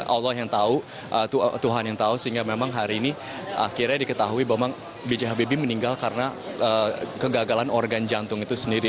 allah yang tahu tuhan yang tahu sehingga memang hari ini akhirnya diketahui bahwa memang b j habibie meninggal karena kegagalan organ jantung itu sendiri